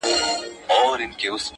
پرېږده جهاني دا د نیکه او د اباکیسې!!